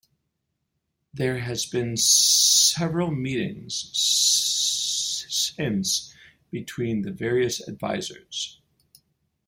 There has been several meetings since between the various advisers.